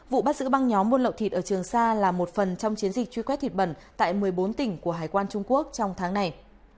vụ bắt giữ băng nhóm buôn lậu thịt ở trường sa là một phần trong chiến dịch truy quét thịt bẩn tại một mươi bốn tỉnh của hải quan trung quốc trong tháng này